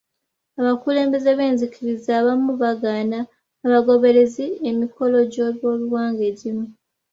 Abakulembeze b'enzikiriza abamu bagaana abagoberezi emikolo gy'obyobuwangwa egimu.